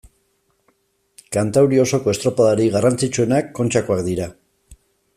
Kantauri osoko estropadarik garrantzitsuenak Kontxakoak dira.